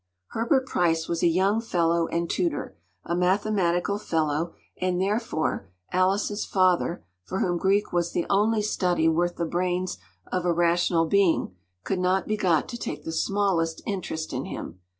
” Herbert Pryce was a young fellow and tutor—a mathematical fellow; and therefore, Alice’s father, for whom Greek was the only study worth the brains of a rational being, could not be got to take the smallest interest in him.